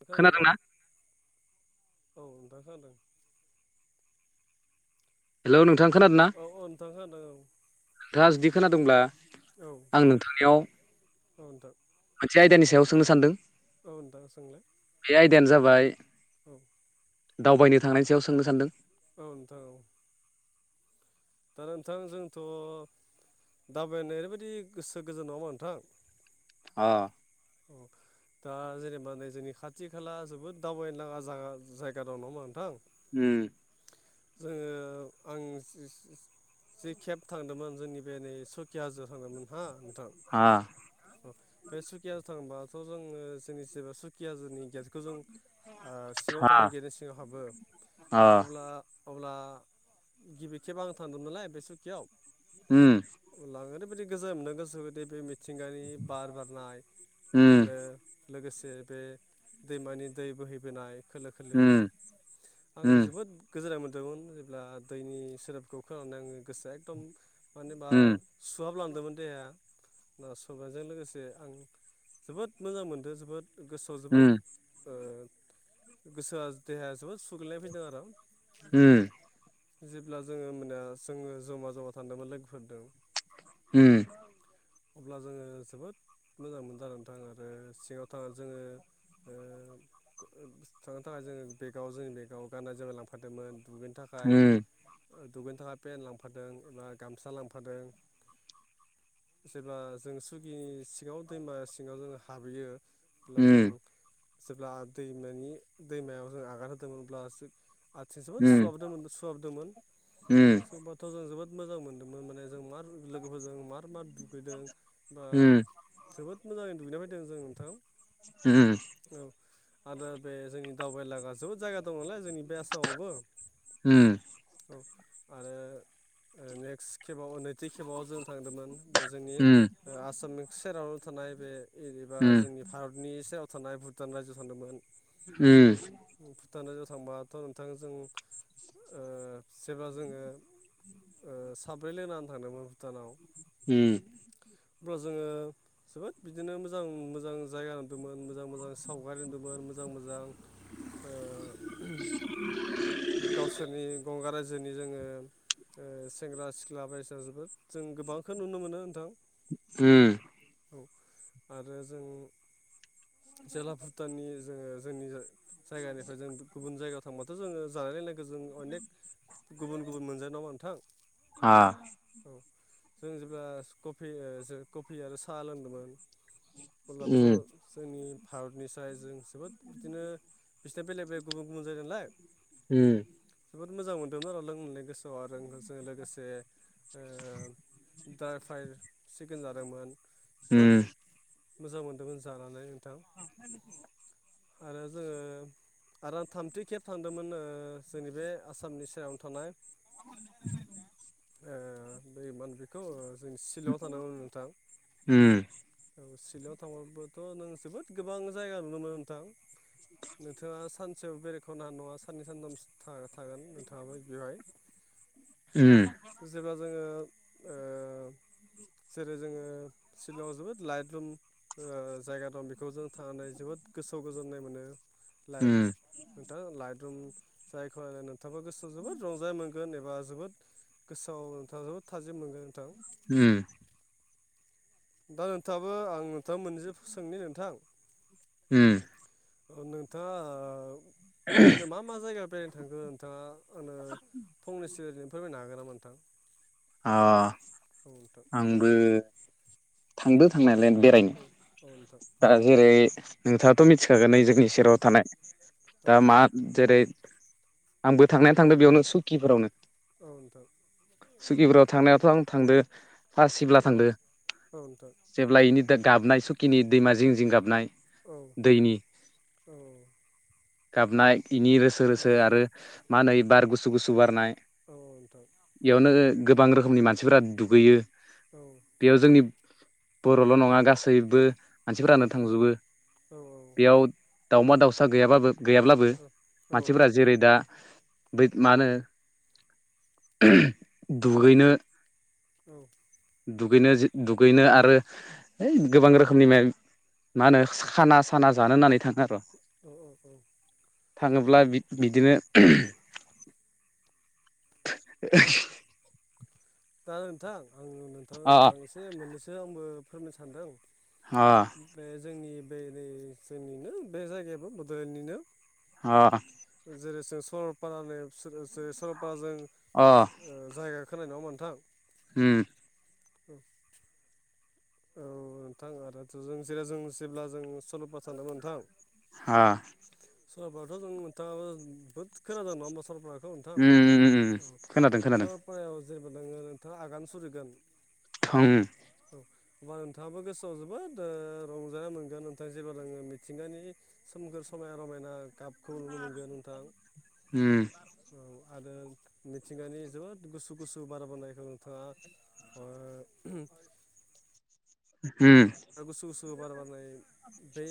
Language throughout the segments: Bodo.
[unintelligible] ना खोनादोंना औ नोंथां खोनादों। हेलौ नोंथां खोनादो ना? औ औ नोंथां खोनादों औ नोंथाङा जुदि खोनादोंब्ला आं नोंथांनिआव अ नोंथां। मोनसे आयदानि सायाव सोंनो सानदों। औ नोंथां सोंलाय बे आयदायानो जाबाय औ दावबायनो थांनायनि सायाव सोंनो सानदों। औ नोंथां औ। दा नोंथां जोंथ' दावबायनाय ओरैबायदि गोसो गोजोन नङा होनबा नोंथां? आ ओं दा जेनेबा नै जोंनि खाथि खाला जोबोद दावबायनो लागा जागा जायगा दं नङा होमबा नोंथां? उम जोङो आं जि केब थांदोंमोन जोंनि बे नै सकि हाजोआव थांदोंमोन हा नोंथां। हा अ बे सुखिय हाजो थांबाथ' जोङो जोंनिसेबा सुखि हाजोनि गेजेर गो ओ जों सिङाव हा थांनानै गेलेनाय सिङाव हाबो अ अब्ला अब्ला गिबि खेब आं थांदोंमोन नलाय बे सुखियाव उम अब्ला आङो ओरैबायदि गोजोन मोनदों गोसोखौ बिदि बे मिथिंगानि बार बारनाय उम आरो लोगोसे बे दैमानि दै बोहैबोनाय खोलो खोलो उम आं उम जोबोद गोजोननाय मोन्दोंमोन जेब्ला दैनि सदोब खौ खोनानानै आङो गोसोआ एकदम मानो बा उम सुहाबलांदोंमोन देहाया ना सुहाबनायजों लोगोसे आं जोबोद मोजां मोनदों जोबोद गोसोआव जोबोद गोसोआ देहाया जोबोद सुग्लैनाय फैदों आरो। उम जेब्ला जोङो होमबानिया जोङो जमा जमा थांदोंमोन लोगोफोरदों। उम अब्ला जोङो जोबोद मोजां मोनदों आरो नोंथां आरो सिङाव थांनानै जोङो ओ थांनो थाखाय जोङो बेगाव जोंनि बेगाव गाननाय जोमाय लांफादोंमोन दुगैनो थाखा उम ओ दुगैनो थाखाय पेेन लांफादों एबा गामसा लांफादों। जेब्ला जों सुखि सिङाव दैमा सिङाव जों हाबहैयो अब्ला जों उम जेब्ला दैमानि दैमायाव जों आगान होदोंमोन अब्ला जों आथिङा उम जोबोद सुहाबदोंमोन सुहाबदोंमोन। उम होनोबाथ' जों जोबोद मोजां मोनदोंमोन माने जों मार लोगोफोरजों मार मार दुगैदों। बा उम जोबोद मोजाङै दुगैना फैदों जों नोंथां। उम औ आरो बे जोंनि दावबायनो‌ लागा जोबोद जायगा दं नालाय जोंनि बे आसामावबो औ। आरो नेक्स्ट खेबाव नैथि खेबाव जों थांदोंमोन बे जोंनि ओ आसामनि सेरावनो थानाय बे एबा उम जोंनि भारत नि‌ सेराव थानाय भुटान रायजोआव थांदोंमोन। उम। भुटान रायजोआव थांबाथ' नोंथां जों ओ जेब्ला जोङो ओ साब्रै लोगो नांनानै थांदोंमोन भुटानाव उम अब्ला जोङो जोबोद बिदिनो मोजां मोजां जायगा नुदोंमोन मोजां मोजां सावगारि नुदोंमोन मोजां मोजां ओ गावसोरनि गंगा रायजोनि जोङो ओ सेंग्रा सिख्ला बायदिसिना जोबोद जों गोबांखौनो नुनो मोनो नोंथां। उम औ आरो जों जेला भुटाननि जोङो जोंनि जायगानिफ्राय जों गुबुन जायगायाव थांबाथ' जोङो जानाय लोंनायखो जों अनेक गुबुन गुबुन मोनजा नङा नोंथां। आ औ जों जेब्ला सि कफि ओ जो कफि आरो साहा लोंदोंमोन। अब्लाथ' उम जोंनि भारतनिस्राय जों जोबोद बिदिनो बिसिना बेलेग बेलेग गुबुन गुबुन जायगा नालाय। उम जोबोद मोजां मोनदोंमोन आरो लोंनानै गोसोआव आरो आंगोजों लोगोसे ओ ड्राय फ्राइ सिकेन जादोंमोन। जोबोद उम मोजां मोनदोंमोन जानानै नोंथां। अ [inaudible] आरो जोङो आरो आं थामथि खेब थांदोंमोन ओ जोंनि बे आसामनि स सेरावनो थानाय औ [inaudible] ओ दै मान बेखौ जों सिलंआव थांदोंमोन नोंथां उम औ सिलंआव थांबाबोथ' नों जोबोद गोबां जायगा नुनो मोनो नोंथां। नोंथाङा सानसेयाव बेरायखावनो हानाय नङा साननै सानथामस था थागोन नोंथ थाबाय बेवहाय उम। जेब्ला जोङो ओ जेरै जोङो सिलंआव जोबोद लाइट लुम ओ जायगा दं बेखौ जों थानानै जोबोद गोसोआव गोजोननाय मोनो। लाइट उम नोंथां लाइट रुम जायखौ नोंथांआबो गोसोआव जोबोद रंजाय मोनगोन। गोन एबा जोबोद गोसोआव नोंथाङा जोबोद थाजिम मोनगोन नोंथां। उम दा नोंथाङाबो आं नोंथांनाव मोनैसो सोंनि नोंथां? उम ओ नोंथाङा ओ बिदिनो मा मा जायगा बेरायनो थांखो नोंथाङा? ओ नो फंनैसो ओरैनो फोरमायनो हागोन नामा नोंथां। अ औ नोंथां आंबो। थांदो थांनायालाय बेरायनो औ नोंथां दा जेरै नोंथाङाथ' मिथिखागोन नै जों नि औ सेराव औ थानाय दा मा आद जेरै आंबो थांनाया थांदों बेयावनो सुकिफोरावनो। औ नोंथां। सुकिबुराव थांनायावाथ' आं थांदो फा औ सिब्ला थांदो औ नोंथां जेब्ला इनि दा गाबनाय सुखिनि दैमा जिं जिं गाबनाय औ दैनि औ गाबनाय इनि रोसो उम रोसो आरो। मा होनो इ बार गुसु गुसु बारनाय। औ नोंथां इयावनो गोबां रोखोमनि मानसिफोरा दुगैयो। औ। बेयाव जोंनि बर'ल' नङा गासैबो। मानसिफोरानो थांजोबो औ बेयाव दाावमा दाउसा गैयाबाबो गैयाब्लाबो औ मानसिफोरा जेरै दा बै मा होनो दुगैनो औ दुगैनो जे दुगैनो आरो है गोबां रोखोमनि म मा होनो खाना साना जानो होन्नानै थाङो आरो'। औ औ औ। थाङोब्ला बिदिनो ए। [inaudible] दा नोंथां आं अ नोंथांनो आं एसे मोननैसो आंबो फोरमायनो सानदों। हा बे जोंनि बेओरै जोंनिनो बे जायगायाबो बड'लेण्डनिनो। अ जेरै जों सरलपारानो फिसोरो जे सरलपाराजों। अ ओ जायगा खोनायो नङा होमबा नोंथां। उम। औ नोंथां आरो जों जेराव जों जेब्ला जों सल'बा सानदोंमोन नोंथां हा। सरपाराथ' जों नोंथाङा बहुद खोनादों नङा होमबा सरल पारा औ नोंथां उम उम उम औ खोनादों खोनादों सरलपारायाव जेनेबा नोङो नोंथाङा आगान सुरैगोन। थां। औ। अब्ला नोंथाङाबो गोसोआव जोबोद रंजानाय मोनगोन नोंथाङा जेबोब्लाङो मिथिंगानि सोमखोर समायाना रमायना गाबखौ नुनो मोनगोन नोंथां। उम औ आरो मिथिंगानि जोबोद गुसु गुसु बारा बोनायखौ नोंथाङा। [inaudible] उम। गुसु गुसु बार बारनाय बे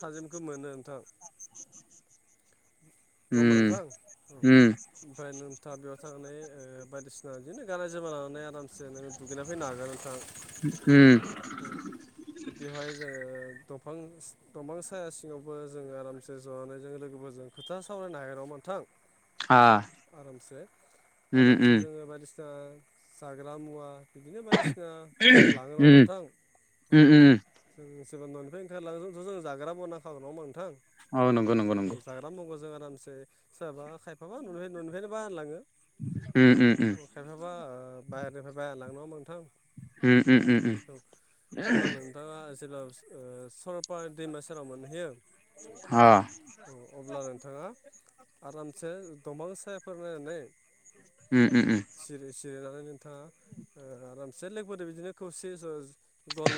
थाजिमखौ मोनो नोंथां [unintelligible] उम नोंथां औ उम ओमफ्राय नोंथा बेयाव थांनानै बायदिसिना बिदिनो गानाय जोमाय लानानै आरामसे नोङो। दुगैना फैनो हागोन नोंथां। उम। औ बेवहाय जोङो दंफां दंफां साया सिङावबो जोंङो आरामसे ज'नानै जोंङोलोगोफोरजों। खोथा सावरायनो [unintelligible] नङ मोनथां आ आरामसे उम आरामसे उम जोङो बायदिसिना ओ जाग्रा मुवा बिदिनो बायदिसिना जों लाङोन उम मोनथां औ। उम उम जों सोरबा न'निफ्राय ओंखारलांगोनोंथ जों जाग्राबो ना खाग्र नाव मांनोथां औ नंगौ नंगौ नंगौ। माबा मग'जों आरामसे सोराबा खायफाबा न'निफ्रायनो न'निफ्रायनो बागानलांङो उम उम उम। खायफाबा बाहहेरनिफ्राय बायना लांङोमोनथां उम उम उम उम औ जेब नों। दा जेब्ला सरलपार दैमा सेराव मोनहैयो। हा। औ अब्ला नोंथाङा आरामसे दफां साया फोर नायनानै। उम उ उम। सिरि सिरिनानै नोंथाङा ओ‌ आरामसे लोगोफोर बिदिनो खौसे गल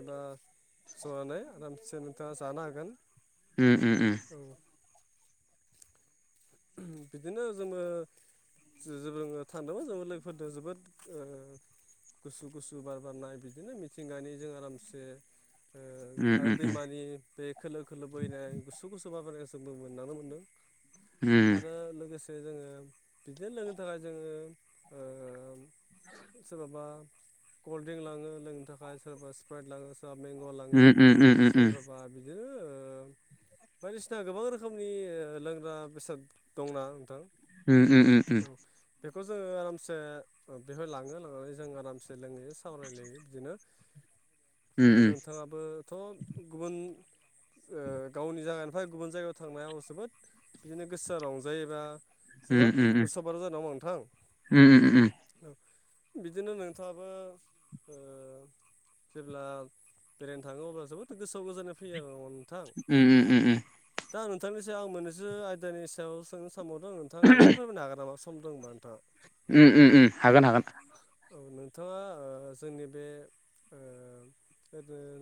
एबा। फसनानै आरामसे नोंथाङा जानो हागोन उम उम उम औ। बिदिनो जोङो [unintelligible] जो लोगोफोरजों जोबोद गुसु गुसु बार बारनाय बिदिनो मिथिंगानिजों आरामसे उम आरो उम दैमानि बे खोलो खोलो बोहैनाय गुसु गुसु बाबायनायखौ जों मोननांनो मोन्दों आरो लोगोसे जोंङो बिदिनो लोंनो थाखाय जोङो ओ सोरबाबा कल्ड ड्रिंक लाङो लोंनो थाखाय सोरबाबा स्प्राइट लाङो सोरबा म्चंंंंंमेंग' लाङो उम उम उम सोरब बा बिदिनो बायदिसिना गोबां रोखोमनि लोंग्रा बेसाद। दंना नोंथां। उम उ उम उम। औ बेखौ जोङो आरामसे बेवहाय लाङो लांनानै जों आरामसे लोंहैयो सावरायलायायो बिदिनो आरो नोंथाङाबोथ' गुबुन। गावनि जायगानिफ्राय गुबुन जायगायाव थांनायाव जोबोद बिदिनो गोसो रंजायोबा जोबोद उस बार जानांग नोंथां म, म, बिदिनो नोंथाङाबो। जेब्ला बेरायनो थाङो अब्ला जोबोद गोसोआव गोजाननाय फैयो आरो। नोंथां उ उ उ उ दा नोंथांनि सायाव आं मोनैसो आयदानि सायाव सोंनो दं नोंथां होननो एसे फोरमायनो हागोन नामा सम दं बा नोंथां म हागोन हागोन औ नोंथाङा जोंनि बे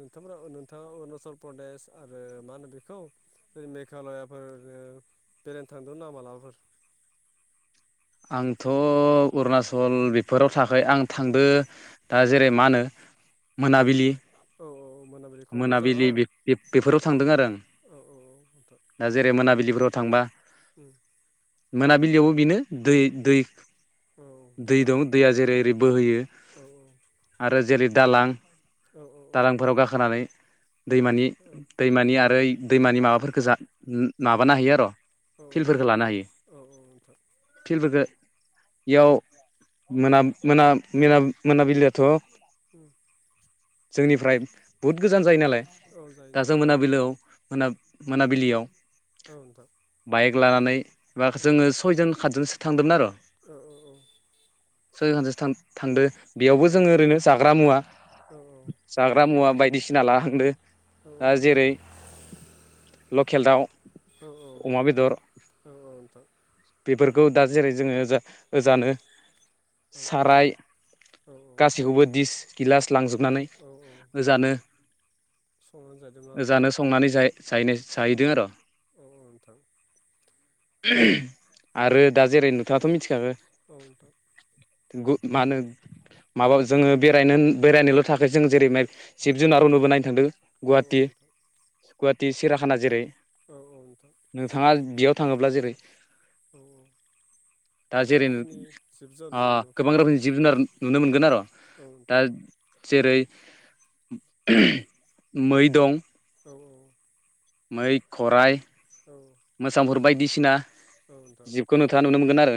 नोंथांमोना नोंथाङा अरुणाचल प्रदेश आरो मा होनो बेखौ। मेघालयाफोर बेरायनो थांदों ना मालाबाफोर। आंथ' अरुनााचल बेफोराव थाखै आं थांदो। औ दा जेरै मा होनो औ मोनाबिलि। औ मोनाबिलि क'क्राझार मोनाबिलि हा बेफोराव थांदों आरो आं औ औ दा जेरै मोनाबिलिफोराव थांबा। उ। मोनाबिलियावबो बेनो दै दै औ औ दै दैमा दं दैया जेरै ओरै बोहोयो औ आरो जेरै दालां औ दालांफोराव गाखोनानै दैमानि औ दैमानि आरो दैमानि माबाफोरफोखौ जा माबानो हायो आरो' औ फिल्डफोरखौ लानो हायो औ नोंथां फिल्डफोरखौ इयाव मोना मोना मोनाबिलिआथ' उ जोंनिफ्राय बुहुत गोजान जायो नालाय औ जायो दा जों मोनाबिलिआव मोन मोनाबिलियाव औ नोंथां बाइक लानानै बा औ जोङो सयजन खादजनसो थांदोंमोन आरो औ औ औ सयखानस थांदो औ बेयावबो जोङो ओरैनो जाग्रा मुवा औ जाग्रा मुवा बायदिसिना लाहांदो औ दा जेरै ल' खेल दाव औ अमा बेदर नोंथां बेफोरखौ दा जेरै जोङो जा औ जानो औ साराय औ गासैखौबो दिस गिलास औ लांजोबनानै होजानो सम ज जानो संनानै ज जाहैदों आरो' [unintelligible] औ औ नोंथां आरो दा जेरै नोंथांथ' मिथिखाखो औथां [inaudible] मा होनो माबा जोङो बेरायनो बेरायनोल' थाख जों जेरै जिब जुनारावनोबो नायनो थांदों औ औ गुवाहाटि नोंथां गुवाहाटि सेरियाखाना जेरै औ औ नोंथां नोंथाङा बेयाव थाङोब्ला जेरै औ दा गोबां जेरैनो रोखोमनि जिब जुनार ओ नुनो मोनो गोबां रोखोमनि जिब जुनार नुनो मोनगोन आरो' दा नोंथां न' जेरै मै दं औ औ मै खराइ औ मोसांफोर बायदिसिना नोंथां जिबखौ नुथा नुनो मोनगोन आरो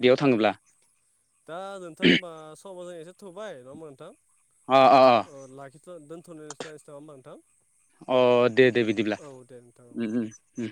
बेयाव थाङोब्ला दाओ नोंथां होमबा सबजों एसे थुबाय नङा मोनथां [unintelligible] अ अ अ अ लाखिथ' दोनथ'नो नसस नङा होमबा नोंथां अ दे दे बिदिब्ला औ दे नोंथां औ उम उम उम।